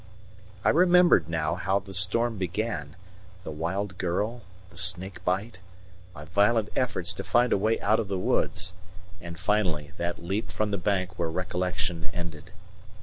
I remembered now how the storm began, the wild girl, the snake bite, my violent efforts to find a way out of the woods, and, finally, that leap from the bank where recollection ended.